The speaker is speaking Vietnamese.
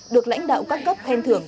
được lãnh đạo các cấp khen thưởng